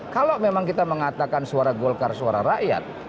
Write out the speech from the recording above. kalau memang kita mengatakan suara golkar suara rakyat